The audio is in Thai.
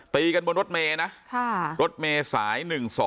ตีกันบนรถเมย์นะรถเมษาย๑๒